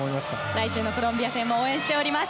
来週のコロンビア戦も応援しております。